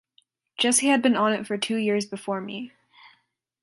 Jesse had been on it for two years before me.